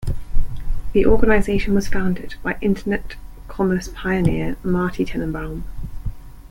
The organisation was founded by Internet commerce pioneer Marty Tenenbaum.